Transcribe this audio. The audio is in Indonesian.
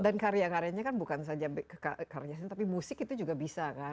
dan karyanya bukan saja karya seni tapi musik itu juga bisa kan